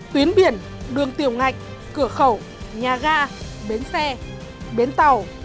tuyến biển đường tiểu ngạch cửa khẩu nhà ga bến xe bến tàu